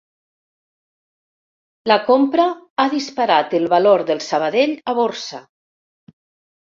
La compra ha disparat el valor del Sabadell a borsa